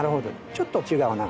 ちょっと違うな。